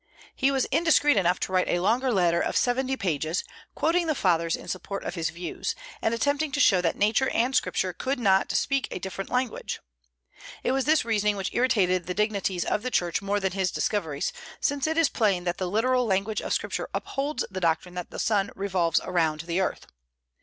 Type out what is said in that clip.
He was indiscreet enough to write a longer letter of seventy pages, quoting the Fathers in support of his views, and attempting to show that Nature and Scripture could not speak a different language. It was this reasoning which irritated the dignitaries of the Church more than his discoveries, since it is plain that the literal language of Scripture upholds the doctrine that the sun revolves around the earth.